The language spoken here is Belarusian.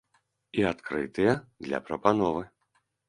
І адкрытыя для прапановы.